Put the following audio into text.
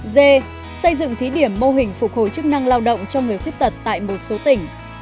d xây dựng thí điểm mô hình phục hồi chức năng lao động cho người khuyết tật tại một số tỉnh